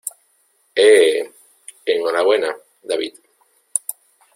¡ eh! enhorabuena, David.